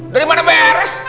dari mana beres